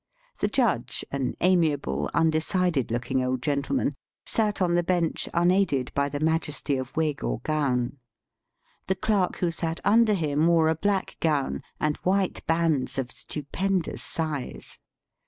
The judge, an amiable, un decided looking old gentleman, sat on the bench, unaided by the majesty of wig or gown. The clerk who sat imder him wore a black gown and white bands of stupendous size.